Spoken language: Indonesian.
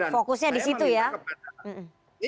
fokusnya disitu ya